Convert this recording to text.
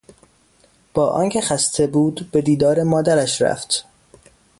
با آنکه خسته بود به دیدار مادرش رفت.